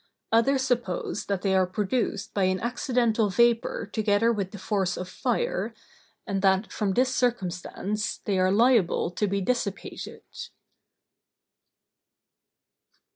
Others suppose that they are produced by an accidental vapor together with the force of fire, and that, from this circumstance, they are liable to be dissipated.